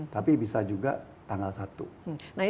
tapi bisa juga